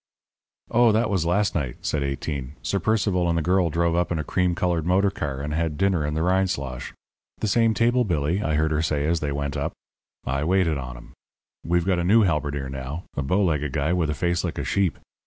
"Oh, that was last night," said Eighteen. "Sir Percival and the girl drove up in a cream coloured motor car, and had dinner in the Rindslosh. 'The same table, Billy,' I heard her say as they went up. I waited on 'em. We've got a new halberdier now, a bow legged guy with a face like a sheep.